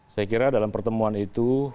saya kira dalam pertemuan itu